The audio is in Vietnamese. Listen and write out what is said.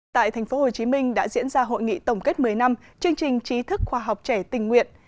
tại tp hcm đã diễn ra hội nghị tổng kết một mươi năm chương trình trí thức khoa học trẻ tình nguyện